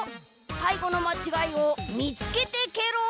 さいごのまちがいをみつけてケロ。